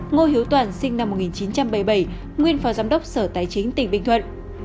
ngô hiếu toàn sinh năm một nghìn chín trăm bảy mươi bảy nguyên phó giám đốc sở tài chính tỉnh bình thuận